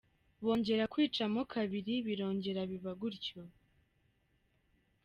Bongera kwicamo kabiri, birongera biba gutyo.